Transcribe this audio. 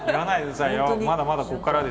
まだまだここからですよ。